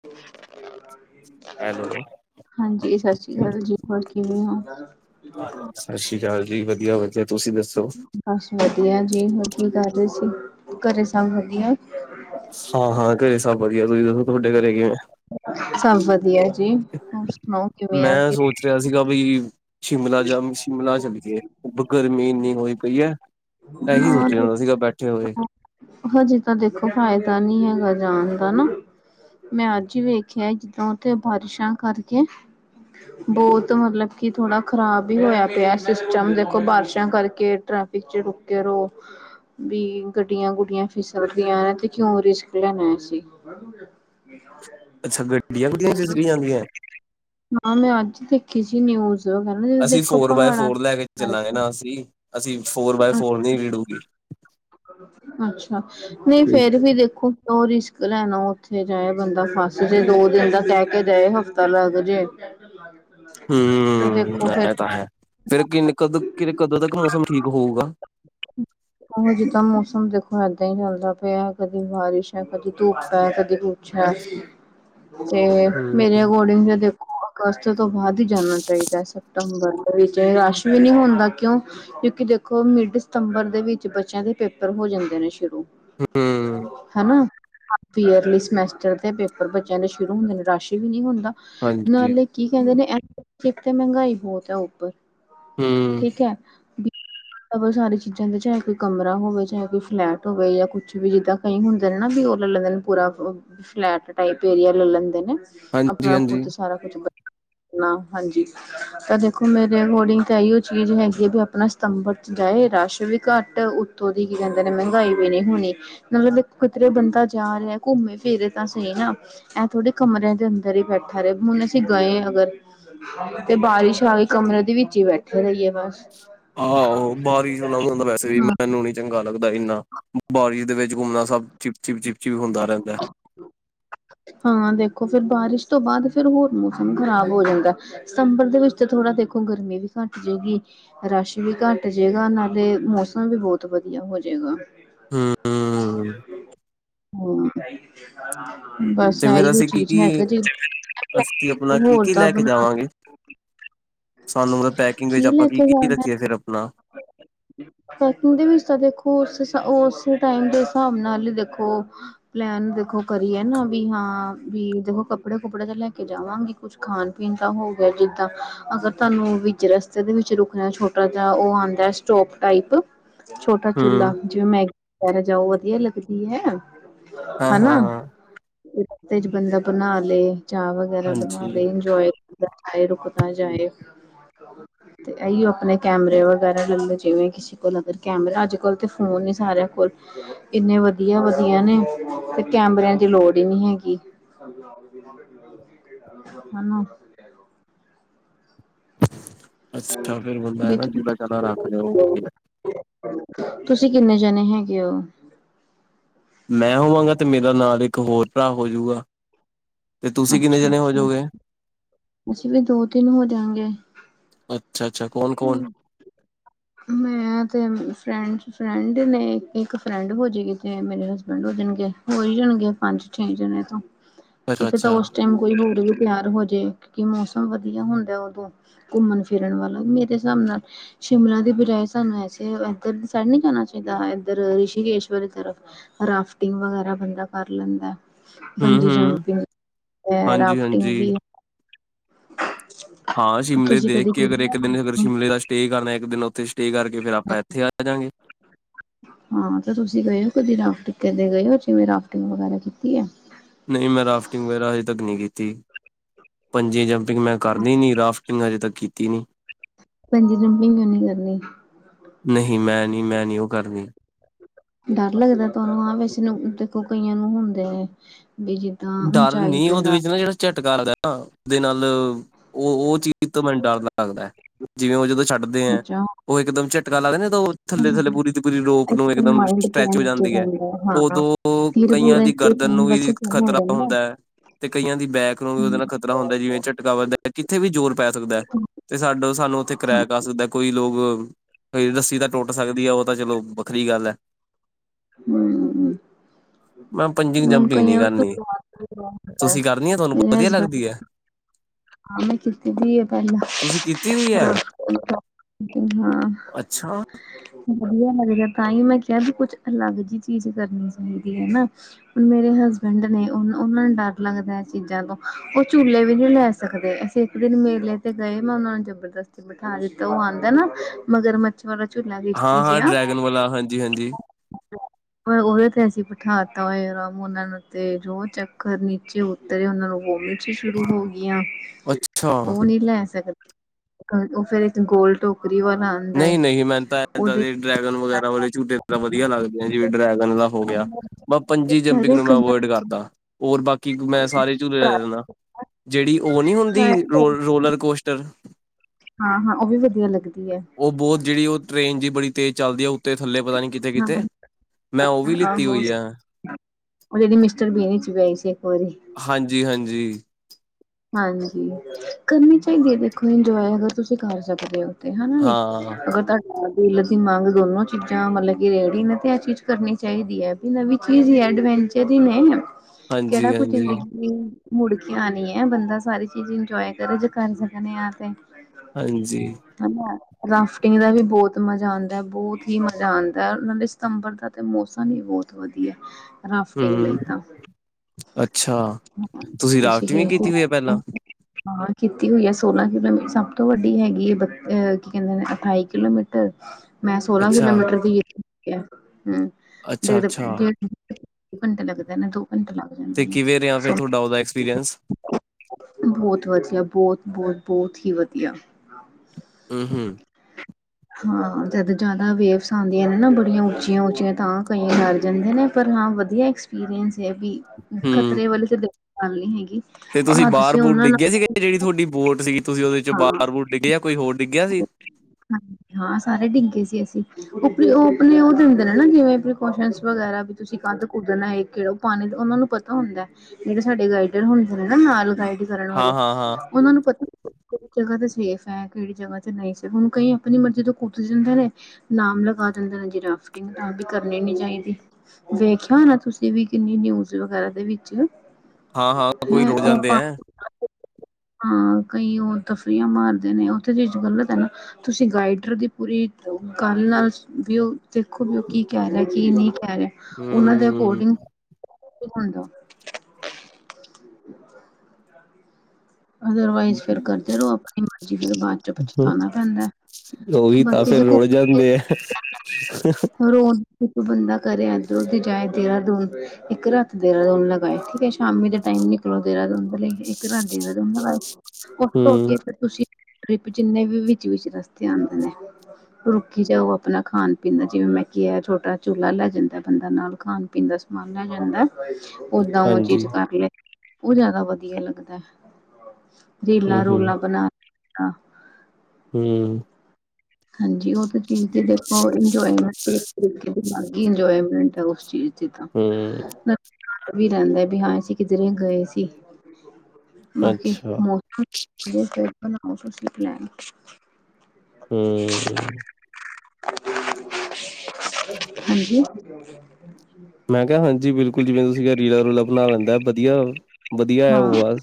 [inaudible] Hello ਹਾਂਜੀ ਸਤ ਸ੍ਰੀ ਅਕਾਲ ਜੀ, ਹੋਰ ਕਿਵੇਂ ਹੋ? ਸਤਿ ਸ੍ਰੀ ਅਕਾਲ ਜੀ, ਵਧੀਆ ਵਧੀਆ ਤੁਸੀਂ ਦੱਸੋ। ਬਸ ਵਧੀਆ ਜੀ, ਹੋਰ ਕੀ ਕਰ ਰਹੇ ਸੀ, ਘਰੇ ਸਭ ਵਧੀਆ? ਹਾਂ-ਹਾਂ ਘਰੇ ਸਭ ਵਧੀਆ, ਤੁਸੀਂ ਦੱਸੋ ਤੁਹਾਡੇ ਘਰੇ ਕਿਵੇਂ? ਸਭ ਵਧੀਆ ਜੀ, ਹੋਰ ਸੁਣਾਓ ਕਿਵੇਂ ਯਾਦ ਚਆ ਸੀਗਾ ਬਈ ਸ਼ਿਮਲਾ ਜਾ ਸ਼ਿਮਲਾ ਚਲੀਏ, ਗਰਮੀ ਇੰਨੀ ਹੋਈ ਪਈ ਐ। ਐਹੀ ਸੋਚੀ ਜਾਂਦਾ ਸੀਗਾ ਬੈਠੇ ਹੋਏ। ਹਜੇ ਤਾਂ ਦੇਖੋ ਫਾਇਦਾ ਨਹੀਂ ਹੈਗਾ ਜਾਨ ਦਾ ਨਾ। ਮੈਂ ਅੱਜ ਈ ਵੇਖਿਆ ਜਿਦਾ ਓਥੇ ਬਾਰਿਸ਼ਾਂ ਕਰਕੇ ਬੋਤ ਮਤਲਬ ਕਿ ਥੋੜ੍ਹਾ ਖ਼ਰਾਬ ਈ ਹੋਇਆ ਪਿਆ ਸਿਸਟਮ ਦੇਖੋ ਬਾਰਿਸ਼ਾਂ ਕਰਕੇ। ਟ੍ਰੈਫਿਕ 'ਚ ਰੁਕੇ ਰੋ। ਵੀ ਗੱਡੀਆਂ-ਗੁਡੀਆਂ ਫਿਸਲਦੀਆਂ ਐ ਤੇ ਕਿਉਂ ਰਿਸਕ ਲੈਣਾ ਅਸੀਂ। [unintelligible] ਅੱਛਾ, ਗੱਡੀਆਂ-ਗੁਡੀਆਂ ਵਿੱਚ ਚੱਲੀ ਜਾਂਦੀਆਂ। ਹਾਂ ਮੈਂ ਅੱਜ ਦੇਖੀ ਸੀ ਨਿਊਜ਼ ਕਹਿੰਦੇ ਜੇ ਅਸੀਂ ਦੇਖੋ ਫੋਰ ਬਾਏ ਪਹਾੜਾਂ ਫੋਰ ਲੈ ਕੇ ਚੱਲਾਂਗੇ ਨਾ [unintelligible] ਅਸੀਂ ਅਸੀਂ ਫੋਰ ਬਾਏ ਫੋਰ ਨੀ ਰਿਡੁਗੀ। ਅੱਛਾ ਨਈ ਫੇਰ ਵੀ ਦੇਖੋ ਓ ਰਿਸਕ ਲੈਣਾ ਓਥੇ ਜਾਏ ਬੰਦਾ ਫਸ ਜੇ, ਦੋ ਦਿਨ ਦਾ ਕਹਿ ਕੇ ਜਾਏ ਹਫ਼ਤਾ ਲੱਗ ਜੇ। ਤੇ ਦੇਖੋ ਹੂੰ, ਫੇਰ ਐ ਤਾਂ ਹੈ ਫੇਰ ਕਿੰਨ ਕਦੋਂ ਕਿ ਕਦੋਂ ਤੱਕ ਮੌਸਮ ਠੀਕ ਹੋਊਗਾ? [inaudible] ਅਜੇ ਤਾਂ ਮੌਸਮ ਦੇਖੋ ਏਦਾਂ ਈ ਚੱਲਦਾ ਪਿਆ ਕਦੀ ਬਾਰਿਸ਼ ਐ, ਕਦੀ ਧੁੱਪ ਐ, ਕਦੀ ਕੁਛ ਐ। ਤੇ ਹਮ ਮੇਰੇ ਅਕੋਰਡਿੰਗ ਤੇ ਦੇ ਅਗਸਤ ਤੋਂ ਬਾਦ ਈ ਜਾਨਾ ਚਾਹੀਦਾ ਆ ਸਤੰਬਰ ਦੇ ਵਿੱਚ ਇਹ ਰਸ਼ ਵੀ ਨੀ ਹੁੰਦਾ ਕਿਉਂ। ਕਿਉਂਕਿ ਦੇਖੋ ਮਿਡ ਸਤੰਬਰ ਦੇ ਵਿੱਚ ਬੱਚਿਆਂ ਦੇ ਪੇਪਰ ਹੋ ਜਾਂਦੇ ਨੇ ਸ਼ੁਰੂ ਹਮ ਹਨਾ। ਈਯਰਲੀ ਸਮੈਸਟਰ ਦੇ ਪੇਪਰ ਬੱਚਿਆਂ ਦੇ ਸ਼ੁਰੂ ਹੁੰਦੇ ਨੇ, ਰਸ਼ ਵੀ ਨੀ ਹੁੰਦਾ ਹਾਂਜੀ ਨਾਲੇ ਕੀ ਕਹਿੰਦੇ ਨੇ ਏਕ ਤੇ ਮਹਿੰਗਾਈ ਬੋਤ ਐ ਉੱਪਰ, ਹਮ ਠੀਕ ਐ। [unintelligible] ਚੀਜ਼ਾਂ ਦੇ ਚਾਹੇ ਕੋਈ ਕਮਰਾ ਹੋਵੇ, ਚਾਹੇ ਕੋਈ ਫਲੈਟ ਹੋਵੇ ਯਾ ਕੁਛ ਵੀ ਜਿੱਦਾਂ ਕਈ ਹੁੰਦੇ ਨੇ ਨਾ ਵੀ ਓ ਲੈ ਲੈਂਦੇ ਨੇ ਪੂਰਾ ਫਲੈਟ ਟਾਈਪ ਏਰੀਆ ਲੈ ਲੈਂਦੇ ਨੇ, ਹਾਂਜੀ ਆਪਣਾ ਹਾਂਜੀ ਖੁੱਦ ਸਾਰਾ ਕੁਛ ਨਾ ਹਾਂਜੀ। ਤਾਂ ਦੇਖੋ ਮੇਰੇ ਅਕੋਰਡਿੰਗ ਤਾਂ ਏਈਓ ਚੀਜ਼ ਹੈਗੀ ਐ ਵੀ ਆਪਣਾ ਸਤੰਬਰ ਜਾਏ ਰਾਸ਼ ਵੀ ਘੱਟ ਉਤੋਂ ਦੀ ਕੀ ਕਹਿੰਦੇ ਨੇ, ਮਹਿੰਗਾਈ ਵੀ ਨੀ ਹੋਣੀ। ਨਾਲੇ ਦੇਖੋ ਕਿਧਰੇ ਬੰਦਾ ਜਾ ਰਿਹਾ ਘੁੰਮੇ ਫਿਰੇ ਤਾਂ ਸਈ ਨਾ। ਐ ਥੋੜੀ ਕਮਰਿਆਂ ਦੇ ਅੰਦਰ ਹੀ ਬੈਠਾ ਰਹੇ, ਹੁਨ ਅਸੀਂ ਗਏ ਅਗਰ ਤੇ ਬਾਰਿਸ਼ ਆ ਗਈ ਕਮਰੇ ਦੇ ਵਿੱਚ ਹੀ ਬੈਠੇ ਰਹੀਏ ਬਸ। ਆਹੋ ਬਾਰਿਸ਼ ਵਾਲਾ ਮੌਸਮ ਵੈਸੇ ਵੀ ਹਾਂ ਮੈਨੂੰ ਨੀ ਚੰਗਾ ਲੱਗਦਾ ਇੰਨਾ। ਬਾਰਿਸ਼ ਦੇ ਵਿੱਚ ਘੁੰਮਣਾ ਸਭ ਚਿਪਚਿਪ-ਚਿਪਚਿਪ ਹੁੰਦਾ ਰਹਿੰਦਾ। [inaudible] ਹਾਂ ਦੇਖੋ ਫਿਰ ਬਾਰਿਸ਼ ਤੋਂ ਬਾਦ ਫਿਰ ਹੋਰ ਮੌਸਮ ਖ਼ਰਾਬ ਹੋ ਜਾਂਦਾ। ਸਤੰਬਰ ਦੇ ਵਿੱਚ ਤੇ ਥੋੜਾ ਦੇਖੋ ਗਰਮੀ ਵੀ ਘੱਟ ਜੇਗੀ। ਰਸ਼ ਵੀ ਘੱਟ ਜੇਗਾ ਨਾਲੇ ਮੌਸਮ ਵੀ ਬੋਤ ਵਧੀਆ ਹੋ ਜੇਗਾ। ਹੂੰ ਹੋਰ, ਤੇ ਫਿਰ ਅਸੀਂ ਕੀ -ਕੀ ਅਸੀਂ ਆਪਣਾ ਕੀ ਹੋਰ -ਕੀ ਦਾ ਲੈ ਕੇ ਬਣਾ ਜਾਵਾਂਗੇ? ਸਾਨੂੰ ਮਤਲਬ ਪੈਕਿੰਗ ਵਿੱਚ ਆਪਾਂ ਕੀ- ਕੀ ਰੱਖੀਏ ਫਿਰ ਆਪਣਾ? ਪੈਕਿੰਗ ਦੇ ਵਿੱਚ ਤਾਂ ਦੇਖੋ ਉਸ ਹਿਸਾ ਉਸ ਟਾਈਮ ਦੇ ਹਿਸਾਬ ਨਾਲ ਈ ਦੇਖੋ, ਪਲੈਨ ਦੇਖੋ ਕਰੀਏ ਨਾ, ਵੀ, ਹਾਂ ਵੀ, ਦੇਖੋ ਕੱਪੜੇ -ਕੁਪੜੇ ਤਾਂ ਲੈ ਕੇ ਜਾਵਾਂਗੀ। ਖਾਣ ਪੀਣ ਤਾਂ ਹੋ ਗਿਆ ਜਿੱਦਾਂ, ਅਗਰ ਤੁਹਾਨੂੰ ਵਿੱਚ ਰਸਤੇ ਦੇ ਵਿੱਚ ਰੁਕਣਾ ਛੋਟਾ ਜਿਹਾ ਉਹ ਆਂਦਾ, ਸਟੋਪ ਟਾਈਪ ਅ ਛੋਟਾ ਹੂੰ ਚੂਲਾ ਜਿਵੇਂ, ਮੈਗੀ ਵਗੈਰਾ ਲੈ ਕੇ ਜਾਓ ਵਧੀੱਆ ਲੱਗਦੀ ਹੈ ਹਾਂ ਹਾਂ ਹਨਾ--ਹਨਾ, ਹਾਂ ਰਸਤੇ ਚ ਬੰਦਾ ਬਣਾ ਲਏ, ਚਾਹ ਵਗੈਰਾ ਬਣਾ ਹਾਂਜੀ। ਲਏ ਇੰਜੋਏ, ਏ ਰੁਕਦਾ ਜਾਏ, ਤੇ ਇਹੀਓ ਆਪਣੇ ਕੈਮਰੇ ਵਗੈਰਾ ਲੈਲੋ ਜਿਵੇਂ ਕਿ, ਅਜ -ਕੋਲ ਅਗਰ ਕੈਮਰਾ ਅੱਜ- ਕਲ ਤਾਂ ਫੋਨ ਨੇ ਸਾਰਿਆਂ ਕੋਲ, ਇੰਨੇ ਵਧੀਆ -ਵਧੀਆ ਨੇ ਤੇ ਕੈਮਰਿਆਂ ਦੀ ਲੋੜ, ਏ ਨੀ ਹੈਗੀ ਹਨ, ਅੱਛਾ ਫੇਿਰ ਬੰਦਾ ਹੈ ਵੀ ਨਾ ਚੀੜਾ- ਚਾਰਾ ਰੱਖ ਲਓ, ਤੁਸੀਂ ਕਿੰਨੇ ਜਾਣੇ ਹੈਗੇ ਹੋ, ਮੈਂ ਹੋਵਾਂਗਾ ਤੇ ਮੇਰਾ ਨਾਲ ਇੱਕ ਹੋਰ ਭਰਾ ਹੋਜੂਗਾ, ਤੇ ਤੁਸੀਂ ਕਿੰਨੇ ਅੱਛਾ ਜਣੇ ਹੋ ਅੱਛਾ ਜਾੋਗੇ, ਅਸੀਂ ਵੀ ਦੋ -ਤਿੰਨ ਹੋ ਜਾਗੇ ਅੱਛਾ ਅੱਛਾ ਕੌਣ ਹੁ, [unintelligible] ਮੈਂ ਤੇ ਫਰੈਂਡ -ਫਰੈਂਡ ਨੇ ਇੱਕ ਫਰੈਂਡ ਹੋ ਜਾਏਗੀ, ਤੇ ਮੇਰੇ ਹਸਬੈਂਡ ਹੋ ਜਾਣਗੇ, ਹੋਈ ਜਾਣਗੇ ਪੰਜ -ਛੇ ਜਣੇ ਤਾ, ਅੱਛਾ ਕੀ ਪਤਾ ਅੱਛਾ ਉਸ ਟਾਈਮ ਕੋਈ ਹੋਰ ਵੀ ਤਿਆਰ ਹੋ ਜਾਏ, ਕਿ ਮੌਸਮ ਵੱਧੀਆ ਹੁੰਦਾ ਉਦੋ, ਘੁੰਮਣ- ਫਿਰਨ ਵਾਲਾ ਮੇਰੇ ਹਿਸਾਬ ਨਾਲ, ਸ਼ਿਮਲਾ ਦੀ ਬਜਾਏ ਸਾਨੂੰ ਐਸੇ ਇੱਧਰ ਦੀ ਸਾਈਡ ਨਹੀਂ ਜਾਣਾ ਚਾਹੀਦਾ, ਇੱਧਰ ਰਿਸ਼ੀਕੇਸ਼ ਵਾਲੀ ਤਰਫ, ਰਾਫਟਿੰਗ ਵਗੈਰਾ ਬੰਦਾ ਕਰ ਲੈਂਦਾ, ਹੂੰ ਬੰਜੀ ਹੂੰ ਜੰਪਿੰਗ। ਐ ਹਾਂਜੀ ਰਾਫਟਿੰਗ ਹਾਂਜੀ। ਵੀ, ਹਾਂ। ਹਾਂ ਸ਼ਿਮਲੇ ਤੁਸੀਂ ਦੇਖ ਕਦੇ ਕੇ ਅਗਰ ਇੱਕ ਦਿਨ ਅਗਰ ਸ਼ਿਮਲੇ ਦਾ ਸਟੇ ਕਰਨਾ ਇੱਕ ਦਿਨ ਉੱਥੇ, ਸਟੇ ਕਰਕੇ ਫੇਿਰ ਆਪਾਂ ਇੱਥੇ ਆਜਾਗੇ, ਹਾਂ, ਤੇ ਤੁਸੀਂ ਗਏ ਹੋ, ਕਦੀ ਰਾਫਟਿੰਗ ਕਰਦੇ ਗਏ ਹੋ, ਜਿਵੇਂ ਰਾਫਟਿੰਗ ਵਗੈਰਾ ਕੀਤੀ ਆ, ਨਹੀਂ ਮੈਂ ਰਾਫਟਿੰਗ ਵਗੈਰਾ ਹਜੇ ਤੱਕ ਨਹੀਂ ਕੀਤੀ, ਪੰਜੀ ਜੰਪਿੰਗ ਮੈਂ ਕਰਨੀ ਨ ਰਾਫਟ, ਨਈ ਅਜੇ ਤੱਕ ਕੀਤੀ ਨਈ, ਪੰਜੀ-ਜੰਪਿੰਗ ਕਿਉ ਨਹੀ ਕਰਨੀ। ਨਹੀਂ ਮੈਂ ਨੀ -ਮੈਂ ਨੀ ਉਹ ਕਰਨੀ, ਡਰ ਲੱਗਦਾ ਤੁਹਾਨੂੰ, ਹਾਂ ਵੈਸੇ ਲੋਕ ਦੇਖੋ ਕਈਆਂ ਨੂੰ ਹੁੰਦੇ ਏ, ਡਰ ਨਹੀਂ, ਉਹਦੇ ਵਿੱਚ ਨਾ ਜਿਹੜਾ ਝਟਕਾ ਆਂਦਾ, ਦੇ ਨਾਲ ਉਹ- ਉਹ ਚੀਜ਼ ਤੋ ਮੈਨੂੰ ਡਰ ਲੱਗਦਾ, ਜਿਵੇਂ ਉਹ ਜਦੋਂ ਛੱਡ, ਅੱਛਾ ਉਹ ਇਕਦਮ ਝਟਕਾ ਲੱਗਦਾ ਨਾ ਤਾਂ ਉਹ ਥੱਲੇ ਹੂੰ, -ਥੱਲੇ ਪੂਰੀ ਦੀ ਪੂਰੀ ਰੋਪ ਇੱਕ ਨੂੰ ਤਾਂ ਇਕਦਮ ਮਾਇੰਡ ਪੂਰਾ ਸਟ੍ਰੈਚ ਹੋ ਨੀਚੇ ਜਾਂਦੀ ਹੈ ਜਾਂਦਾ ਹਾਂ। ਉਦੋ, ਉਹ ਧੀਰ ਕਈਆਂ ਪੂਰਾ ਦੀ ਇੱਕ ਗਰਦਨ ਨੂੰ ਟਾਈਮ ਬਸ ਵੀ ਕੰਮ ਹੋ ਖ਼ਤਰਾ, ਜਾਂਦਾ। ਹੁੰਦਾ ਐ ਤੇ ਕਈਆਂ ਦੀ ਬੈਕ ਨੂੰ ਵੀ ਉਹਦੇ ਹੂੰ। ਨਾਲ ਖ਼ਤਰਾ ਹੁੰਦਾ ਹੈ, ਜਿਵੇਂ ਝਟਕਾ ਵੱਜਦਾ, ਕਿੱਥੇ ਵੀ ਜ਼ੋਰ ਪੈ ਸਕਦਾ, ਤੇ ਸਾਡੇ ਸਾਨੂੰ ਉੱਥੇ ਕਰੈਕ ਆ ਸਕਦਾ ਕੋਈ ਲੋਕ, ਕੋਈ ਰੱਸੀ ਤਾਂ ਟੁੱਟ ਸਕਦੀ ਆ, ਉਹ ਤਾਂ ਚਲੋ ਵੱਖਰੀ ਗੱਲ ਆ, ਮੈਂ ਪੰਜਿੰਗ ਹੂੰ---ਹੁਣ ਜੰਪਿੰਗ ਨਹੀਂ ਕਈਆਂ ਕੋ ਕਰਨੀ ਤੁਸੀਂ ਕਰਨੀ ਆ ਤੁਹਾਨੂੰ ਮੈਰੇ ਵਧੀਆ ਹਸਬੈਂਡ ਲੱਗਦੀ [unintelligible] ਹੈ [unintelligible] ਹਾਂ ਮੈਂ ਕੀਤੀ ਦੀ ਏ ਪਹਿਲਾਂ। ਤੁਸੀਂ ਕੀਤੀ ਹੋਈ ਹੈ ਹਾਂ ਅੱਛਾ ਵਧੀਆ ਲੱਗਿਆ ਤਾਂ ਹੀ ਮੈਂ ਕਿਹਾ ਵੀ ਕੁਛ ਅਲੱਗ ਜਿ ਚੀਜ਼ ਕਰਨੀ ਚਾਹੀਦੀ ਹੈ ਨਾ। ਹੁਣ ਮੇਰੇ ਹਸਬੈਂਡ ਨੇ ਉਹ ਉਹਨਾਂ ਨੂੰ ਡਰ ਲੱਗਦਾ ਏ ਚੀਜ਼ਾਂ ਤੋਂ, ਉਹ ਝੂਲੇ ਵੀ ਨਹੀਂ ਲੈ ਸਕਦੇ ਅਸੀਂ ਇੱਕ ਦਿਨ ਮੇਲੇ ਤੇ ਗਏ ਮੈਂ ਉਹਨਾ ਨੂੰ ਜਬਰਦਸਤੀ ਬਿਠਾ ਦਿੱਤਾ ਉਹ ਆਉਂਦਾ ਨਾ ਮਗਰ ਮਛ ਝੂਲਾ ਕਿਸ਼ਤੀ ਜੇਹਾ ਭਲਾ ਹਾਂਜੀ ਹਾਂਜੀ [inaudible] [inaudible] ਉਹਦੇ ਤੇ ਅਸੀਂ ਬਿਠਾਤਾ ਹੋਇ ਰਾਮ ਉਹਨਾਂ ਨੂੰ ਤੇ ਜੋ ਚੱਕਰ ਨੀਚੇ ਉਤਰੇ ਉਹਨਾਂ ਨੂੰ ਵੋਮਿਟ ਛ ਸ਼ੁਰੂ ਹੋ ਗਈਆਂ ਅੱਛਾ ਉਹ ਨਹੀਂ ਲੈ ਸਕਦੇ। ਕਲ ਉਹ ਫੇਰ ਇੱਕ ਗੋਲ ਟੋਕਰੀ ਵਾਲਾ ਆਉਂਦਾ ਏ, ਨਹੀਂ ਨਹੀਂ ਮੈਨੂੰ ਤਾਂ ਇੱਦਾਂ ਉਹਦੇ ਦੇ ਡਰੈਗਨ ਵਗੈਰਾ ਵਾਲੇ ਝੂਟੇ ਵਧੀਆ ਲੱਗਦੇ ਆ ਜੀਵੇ ਡਰੈਗਨ ਦਾ ਹੋ ਗਿਆ ਮੈਂ ਪੰਜੀ ਕਈਆਂ ਜੰਪਿੰਗ ਨੂੰ ਮੈਂ ਅਵੋਇਡ ਕਰਦਾ ਹੋਰ ਬਾਕੀ ਮੈਂ ਸਾਰੇ ਝੂਲੇ ਲੈ ਟਰਾਈ ਲੇਂਦਾ, ਜਿਹੜੀ ਉਹ ਨਹੀਂ ਹੁੰਦੀ ਟਰਾਈ ਰੋ ਰੋਲਰ ਕੋਸ਼ਟ ਟਰ ਹਾਂ ਹਾਂ ਉਹ ਵੀ ਵਧੀਆ ਲੱਗਦੀ ਏ। ਉਹ ਬਹੁਤ ਜਿਹੜੀ ਉਹ ਟਰੇਨ ਦੀ ਬੜੀ ਤੇਜ਼ ਚੱਲਦੀ ਏ। ਉਤੇ ਥੱਲੇ ਪਤਾ ਨੀ ਕਿਤੇ ਕਿਤੇ, ਮੈਂ ਉਹ ਵੀ ਲਿੱਤੀ ਆਹੋ ਹੋਈ ੲੈ। ਉਹ ਜਹੜੀ ਮਿਸਟਰ ਬੀਮ ਚ ਵੀ ਆਈ ਸੀ ਇੱਕ ਵਰੀ। ਹਾਂਜੀ ਹਾਂਜੀ ਹਾਂਜੀ ਕਰਨੀ ਚਾਹੀਦੀ ਏ ਦੇਖੋ ਇੰਜੋਏ ਅਗਰ ਤੁਸੀਂ ਕਰ ਸਕਦੇ ਹੋ। ਤੇ ਹਨਾ ਵੀ ਹਾਂ ਅਗਰ ਤੁਹਾ ਦਿਲ ਅਸੀ ਮੰਗਦੇ ਹੋ ਨਾ ਚੀਜ਼ਾਂ ਮਤਲਬ ਕਿ ਰੇੜੀ ਨੇ ਤੇ ਇਹ ਚੀਜ਼ ਕਰਨੀ ਚਾਹੀਦੀ ਏ। ਨਵੀਂ ਚੀਜ਼ ਈ ਏ, ਐਡਵੈਂਚਰ ਈ ਨੇ ਕਿਹੜਾ ਹਾਂਜੀ ਕੁਛ ਹਾਂਜੀ ਜ਼ਿੰਦਗੀ ਮੁੜ ਕੇ ਆਉਣੀ ਏ, ਬੰਦਾ ਸਾਰੀ ਚੀਜ਼ ਇੰਜੋਏ ਕਰੇ ਜੇ ਕਰ ਸਕਨੇ ਆਂ ਤੇ। ਹਾਂਜੀ ਹਨਾ ਰਾਫਟਿੰਗ ਦਾ ਵੀ ਬਹੁਤ ਮਜ਼ਾ ਆਉਂਦਾ ਏ, ਬਹੁਤ ਹੀ ਮਜ਼ਾ ਆਉਂਦਾ ਏ, ਉਹ ਨਾਲੇ ਸਤੰਬਰ ਤਕ ਤੇ ਮੌਸਮ ਵੀ ਬਹੁਤ ਵਧੀਆ ਏ। ਹੂੰ ਅੱਛਾ ਤੁਸੀਂ ਰਾਫਟਿੰਗ ਵੀ ਰਿਸ਼ੀਕੇਸ਼ ਦੀ ਕੀਤੀ ਹੋਈ ਏ ਪਹਿਲਾ ਹਾਂ ਕੀਤੀ ਹੋਈ ਏ, ਸੋਲਾਂ ਕਿਲੋਮੀਟਰ ਸਭ ਤੋਂ ਵੱਡੀ ਹੈਗੀ ਏ ਬ ਅਹ ਕੀ ਕਹਿੰਦੇ ਨੇ ਅਠਾਈ ਕਿਲੋਮੀ ਟਰ ਮੈਂ ਸੋਲਾਂ ਅੱਛਾ, ਕਿਲੋਮੀਟਰ ਦੀ ਕੀਤੀ ਏ ਹੂੰ ਡੇੜ ਅੱਛਾ-ਅੱਛਾ ਘੰਟਾ ਲੱਗਦਾ ਨੇ ਦੋ ਘੰਟਾ ਲੱਗ ਤੇ ਜਾਂਦੇ ਨੇ ਕਿਵੇਂ ਰਿਹਾ ਫਿਰ ਸੋ ਤੁਹਾਡਾ ਉਹਦਾ ਐਕਸਪੀਰੀਅੰਸ। ਬਹੁਤ ਵਧੀਆ ਬਹੁਤ ਬਹੁਤ ਬਹੁਤ ਹੀ ਵਧੀਆ। ਹੂੰ ਹੂੰ ਹਾਂ ਜਦੋਂ ਜ਼ਿਆਦਾ ਵੇਵਸ ਆਉਂਦੀਆਂ ਨੇ ਨਾ ਬੜੀਆਂ ਉੱਚੀਆਂ ਉੱਚੀਆਂ ਤਾਂ ਕਈ ਡਰ ਜਾਂਦੇ ਨੇ ਪਰ ਹਾਂ ਵਧੀਆ ਐਕਸਪੀਰੀਅਂਸ ਹੈ ਵੀ ਹੂੰ ਖਤਰੇ ਵਾਲੀ ਤੇ ਕੋਈ ਗੱਲ ਨਹੀਂ ਹੈਗੀ। ਤੇ ਤੁਸੀਂ ਹਾਂ ਬਾਰ ਬੂਰ ਉਹਨਾਂ ਡਿੱਗੇ ਸੀਗੇ ਨਾਲ ਜਿਹੜੀ ਤੁਹਾਡੀ ਬੋਟ ਸੀਗੀ ਤੁਸੀਂ ਉਹਦੇ ਚੋਂ ਹਾਂ ਬਾਰ ਬੂਰ ਡਿੱਗ ਯਾ ਕੋਈ ਹੋਰ ਡਿੱਗਿਆ ਸੀ। ਹਾਂਜੀ ਹਾਂ ਸਾਰੇ ਡਿੱਗੇ ਸੀ ਅਸੀਂ ਉਪਰੀ ਉਹ ਆਪਣੇ ਉਹ ਦਿੰਦੇ ਨੇ ਨਾ ਜਿਵੇਂ ਕੁ ਵਗੈਰਾ ਵੀ ਤੁਸੀਂ ਕਾਦ [unintelligible] ਕੁਦਣਾ ਏ ਕਿਹੜਾ ਉਹ ਪਾਣੀ ਉਹਨਾਂ ਨੂੰ ਪਤਾ ਹੁੰਦਾ ਜਿਹੜੇ ਸਾਡੇ ਗਾਈਡਰ ਹੁੰਦੇ ਨੇ ਨਾ ਨਾਲ ਗਾਈਡ ਡੇਂਸ ਕਰਨ ਹਾਂ, ਵਾਲੇ ਹਾਂ, ਹਾਂ, ਉਹਨਾਂ ਨੂੰ ਪਤਾ ਕਿਹੜੀ ਜਗ੍ਹਾ ਤੇ ਸੇਫ ਏ ਕਿਹੜੀ ਜਗ੍ਹਾ ਤੇ ਨਹੀਂ ਸੇਫ ਹੁਣ ਕਈ ਆਪਣੀ ਮਰਜ਼ੀ ਤੋਂ ਕੁੱਦ ਜਾਂਦਾ ਨੇ ਨਾਮ ਲਗਾ ਦਿੰਦੇ ਨੇ ਜੀ, ਰਾਫਟਿੰਗ ਤਾਂ ਵੀ ਕਰਨੀ ਨੀ ਚਾਹੀਦੀ। ਵੇਖਿਆ ਹੋ ਨਾ, ਤੁਸੀਂ ਵੀ ਕਿੰਨੀ ਨਿਊਜ਼ ਵਗੈਰਾ ਦੇ ਵਿੱਚ ਹੈ ਹਾਂ, ਹਾਂ ਕੋਈ ਰੁੜ ਉਹ ਜਾਂਦੇ ਐ, ਪਾਣੀ, ਹਾਂ ਕਈ ਉਹ ਤਫਰੀਆਂ ਮਾਰਦੇ ਨੇ, ਉੱਥੇ ਚ ਗਲਤ ਹੈ ਨਾ ਤੁਸੀਂ ਗਾਈਡਰ ਦੀ ਪੂਰੀ ਗੱਲ ਨਾਲ ਵੀ, ਓਹ ਵੇਖੋ ਵੀ, ਓਹ ਕੀ ਕੈ ਰਿਐ, ਕੀ ਨੀ ਕੈ ਰਿਆ? ਓਨਾਂ ਦੇ ਅਕੋਰਡਿੰਗ ਹੂੰ। [unintelligible] ਹੁੰਦਾ। ਅਦਰਵਾਈਜ਼ ਫੇਰ ਕਰਦੇ ਰੋ ਅਪਣੀ ਮਰਜ਼ੀ, ਫੇਰ ਬਾਦ ਚੋ ਪਛਤਾਣਾ ਪੈਂਦੈ। ਓਹੀ ਤਾਂ, ਫੇਰ ਰੋੜ ਜਾਂਦੇ ਐ। ਰੋਜ਼ ਇੱਕ ਬੰਦਾ ਕਰੇ ਐਧਰੋ ਦੀ ਜਾਏ ਦੇਹਰਾਦੂਨ। ਇੱਕ ਰਾਤ ਦੇਹਰਾਦੂਨ ਲਗਾਏ ਠੀਕ ਹੈ ਸ਼ਾਮੀ ਦੇ ਟਾਈਮ ਨਿਕਲੋ ਦੇਰਾਦੂਨ ਦੇ ਲਈ, ਇੱਕਰਾਤ ਡੀਨਰ ਓਨਾਂ ਦਾ, ਉਸ ਤੋਂ ਹੂੰ, ਅਗੇ ਫਿਰ ਤੁਸੀਂ ਟ੍ਰਿਪ ਚਿਨੇ ਵੀ ਵਿੱਚ -ਵਿਚ ਰਸਤੇ ਆੰਦੇ ਨੇ। ਰੁੱਖੀ ਜਾਓ, ਅਪਣਾ ਖਾਣ-ਪੀਣ ਦਾ, ਜਿਵੇਂ ਮੈਂ ਕੀਐ ਛੋਟਾ ਝੂਲਾ ਲੈ ਜਾਂਦੈ ਬੰਦਾ ਨਾਲ ਖਾਣ ਪੀਣ ਦਾ ਸਮਾਨ ਲੈ ਜਾਂਦੈ, ਓਦਾਂ ਓਹ ਚੀਜ਼ ਹਾਂਜੀ, ਕਰ ਲਏ, ਓਹ ਜੈਦਾ ਵਧੀਆ ਲੱਗਦੈ। ਹੂੰ, ਹੂੰ, ਰੀਲਾਂ-ਰੂਲਾਂ ਬਣਾ ਹੂੰ। ਹਾਂਜੀ, ਓਹ ਤੇ ਚੀਜ਼ ਦੀ ਦੇਖੋ, ਇੰਜੋਮੈਂਟ ਏ ਏਕ ਤਰੀਕੇ ਦੀ, ਦਿਮਾਗੀ ਇੰਜੋਮੈਂਟ ਐ ਉਸ ਚੀਜ਼ ਜਿਦਾ, ਹੂੰ, ਮੈਂ ਐਵੀ ਰਹਿੰਦਾ ਬੁ ਹਾਂ ਅਸੀਂ ਕਿਧਰੇ ਗਏ ਸੀ। ਬਾਕੀ ਅੱਛਾ, ਮੌਸਮ ਫੇ [unintelligible] ਤੁਸੀਂ ਲੈ ਆਣਾ। ਹੂੰ। ਹਾਂਜੀ। ਕਿਓ ਤਿਆਰ ਕਰਦੇ ਨੇ? ਮੈਂ ਕਿਆ, ਹਾਂਜੀ, ਬਿਲਕੁਲ ਜਿਵੇਂ ਤੁਸੀਂ ਕੀਆ ਰੀਲਾ-ਰੁਲਾ ਬਣਾ ਲੈਂਦਾ ਵਧੀਆ। ਵਧੀਐ, ਔ ਵਾਜ਼,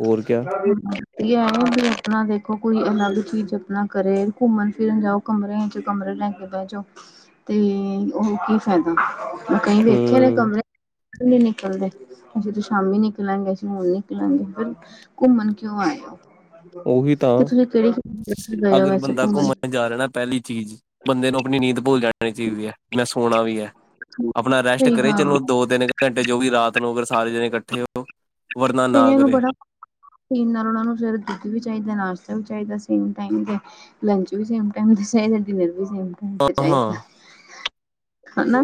ਹੋਰ ਕਿਆ। [unintelligible] ਯਾ ਹੋ ਬੀ, ਅਪਣਾ ਵੇਖੋ ਕੋਈ ਅਲੱਗ ਚੀਜ਼, ਅਪਣਾ ਕਰੇ ਘੁੰਮਣ ਫਿਰਨ ਜਾਓ। ਕਮਰੇਆ ਚ ਕਮਰੇ ਲੈ ਕੇ ਬੈ ਜੋ। ਤੇ ਓਹ ਕੀ ਫੈਦਾ? ਮੈਂ ਕਈ ਵੇਖੇ ਨੇ, ਹੂੰ, ਕਮਰੇ ਨੀ ਨਿਕਲਦੇ, ਅਜੇ ਤੇ ਸ਼ਾਮੀ ਨਿਕਲ ਨਿਕਲਾਂਗੇ ਅਸੀ ਹੋਣ ਨਿਕਲਾਂਗੇ। ਫਿਰ, ਘੁੰਮਣ ਕਿਉਂ ਆਏ ਔ? ਓਹੀ ਤਾਂ, ਗਏ ਹੋ ਅਗਰ ਵੈਸੇ ਬੰਦਾ ਘੁੰਮਣ ਜਾ ਰਿਐ, ਨਾ ਪੈਲੀ ਚੀਜ਼ ਬੰਦੇ ਨੂੰ ਅਪਣੀ ਨੀਂਦ ਭੁੱਲ ਜਾਣੀ ਚਾਈਦੀ ਐ, ਮੈਂ ਸੋਣਾ ਵੀ ਐ। ਅਪਣਾ ਰੈਸਟ ਸਹੀ ਕਰੇ, ਗੱਲ ਚਲੋ ਦੋ-ਤਿੰਨ ਘੰਟੇ ਜੋ ਵੀ ਰਾਤ ਨੂੰ, ਅਗਰ ਸਾਰੇ ਜਣੇ ਕੱਠੇ ਹੋ ਵਰਨਾ ਨਾ ਕਈਆਂ ਨੂੰ ਕਰੇ ਬੜਾ ਇਹਨਾਂ ਫਿਰ ਦੁੱਧ ਵੀ ਚਾਹੀਦਾ, ਨਾਸ਼ਤਾ ਵੀ ਚਾਈਦੈ, ਸੇਮ ਟਾਈਮ ਤੇ। ਲੰਚ ਵੀ ਸੇਮ ਟਾਈਮ ਤੇ ਚਾਈਦੈ, ਡਿਨਰ ਵੀ ਸੇਮ ਟਾਈਮ ਤੇ ਹਾਂ ਚਾਈਦੈ। ਹਾਂ ਹਨਾ,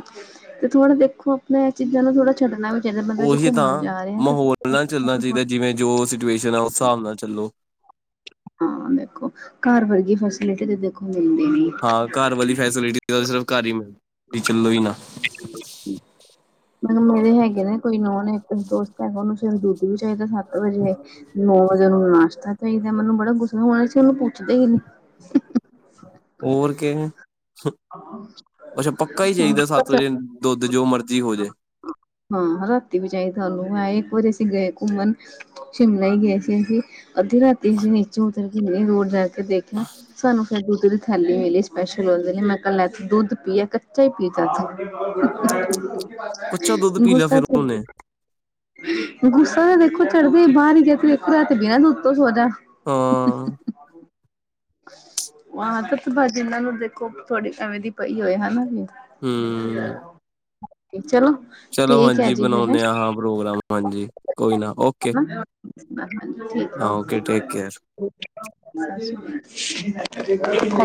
ਤੇ ਥੋੜਾ ਦੇਖੋ, ਅਪਣਾ ਐ ਚੀਜ਼ਾਂ ਨੂੰ ਥੋੜਾ ਛੱਡਣਾ ਵੀ ਜਦੋਂ ਬੰਦਾ ਜੇ ਉਹੀ ਤਾਂ ਘੁੰਮਣ ਜਾ ਰਿਐ ਤੇ ਮਾਹੌਲ ਨਾਲ ਚੱਲਣਾ ਚਾਈਦੈ, ਜਿਵੇਂ ਜੋ ਸਿਚੁਏਸ਼ਨ ਐ, ਉਸ ਸਾਬ ਨਾਲ ਚੱਲੋ। ਹਾਂ ਦੇਖੋ, ਘਰ ਵਰਗੀ ਫੈਸਿਲਿਟੀ ਤੇ ਦੇਖੋ ਮਿਲਦੀ ਨੀ। ਹਾਂ, ਘਰ ਵਾਲੀ ਫੈਸਿਲਿਟੀ ਤਾ ਸਿਰਫ਼ ਘਰ ਹੀ ਮਿਲਦੀ, ਚੱਲੋ ਈ ਨਾ। ਹੂੰ। ਮੈ ਕੈ, ਮੇਰੇ ਹੈਗੇ ਨੇ ਕੋਈ ਨੌਨ, ਏਕ ਦੋਸਤ ਹੈਗਾ, ਓਹਨੂੰ ਸਵੇਰੇ ਦੁੱਧ ਵੀ ਚਾਈਦੈ, ਸੱਤ ਵਜੇ। ਨੌ ਵਜੇ ਓਨੂੰ ਨਾਸ਼ਤਾ ਚਾਈਦੈ, ਮੈਨੂੰ ਬੜਾ ਗੁੱਸਾ ਹੋਣ, ਅਸੀ ਓਨੂੰ ਪੁੱਛਦੇ ਹੀ ਨੀ। ਹੋਰ ਕਿਣ ਸ ਅੱਛਾ, ਪੱਕਾ ਹੀ ਚਾਈਦੈ, ਸੱਤ ਨੀ। ਵਜੇ ਦੁੱਧ, ਜੋ ਮਰਜ਼ੀ ਹੋ ਜੇ। ਹਾਂ, ਰਾਤੀ ਵੀ ਜਾਈਦੈ ਔਨੂੰ ਹੈ, ਇੱਕ ਵਾਰੀ ਅਸੀਂ ਗਏ ਘੁੰਮਣ। ਸ਼ਿਮਲੇ ਹੀ ਗਏ ਸੀ ਅਸੀਂ ਅੱਧੀ ਰਾਤੀ ਅਸੀਂ ਨੀਚੇ ਉਤਰ ਕੇ ਇੰਨੀ ਦੂਰ ਜਾ ਕੇ ਦੇਖ ਕਯਾ, ਸਾਨੂੰ ਫਿਰ ਦੁੱਧ ਦੀ ਥੈਲੀ ਮਿਲੀ ਸਪੈਸ਼ਲ ਓਦੇ ਲੀ। ਕਲਾ ਚੀ ਦੁੱਧ ਪੀਆ ਕੱਚਾ ਹੀ ਪੀ ਜਾ ਛੇ। [unintelligible] ਕੱਚਾ ਦੁੱਧ ਪੀ ਲਿਆ ਗੁੱਸਾ ਫਿਰ ਚੱੜ ਉਹਨੇ ਗਿਆ। ਗੁੱਸਾ ਤਾਂ ਦੇਖੋ ਚੜ੍ਹਦੈ ਈਏ ਬਾਰ ਹੀ ਗਿਐ ਤੂੰ ਏਕੋ ਰਾਤ ਗਿਐ, ਦੁੱਧ ਤੋਂ ਸੋ ਜਾ। ਹਾਂ। ਉਂ ਆਦਤ ਬਾ ਜਿਨਾਂ ਨੂੰ ਦੇਖੋ ਥੋੜੀ ਐਵੇਂ ਦੀ ਪਈ ਹੋਏ, ਹੈਨਾ। ਹੂੰ [inaudible] ਚਲੋ। ਚਲੋ ਠੀਕ ਹੈ ਹਾਂਜੀ ਜੀ ਫਿਰ ਬਣੋਣੇ ਆ ਹਾਂ ਪ੍ਰੋਗਰਾਮ ਹਾਂਜੀ ਕੋਈ ਨਾ ਓਕੇ। ਹਾਂ ਓਕੇ ਟੇਕ ਕੇਅਰ [unintelligible] ਠੀਕ ਔ [unintelligible] [inaudible]